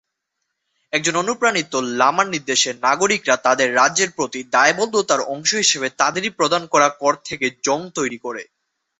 একজন অনুপ্রাণিত লামার নির্দেশে নাগরিকরা তাদের রাজ্যের প্রতি দায়বদ্ধতার অংশ হিসাবে তাদেরই প্রদান করা কর থেকে জং তৈরি করে।